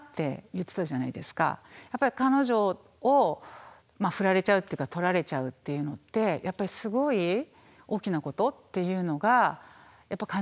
やっぱり彼女を振られちゃうとか取られちゃうっていうのってやっぱりすごい大きなことっていうのが感じられるなと思ったし。